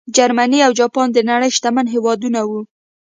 جرمني او جاپان د نړۍ شتمن هېوادونه وو.